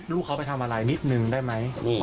ลูกเขาไปทำอะไรนิดนึงได้ไหม